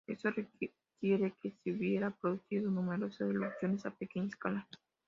Esto requeriría que se hubieran producido numerosas erupciones a pequeña escala.